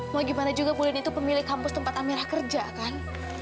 mau gimana juga pulin itu pemilik kampus tempat amirah kerja kan